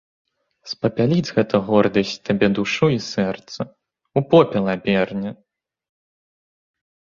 Спапяліць гэта гордасць табе душу і сэрца, у попел аберне.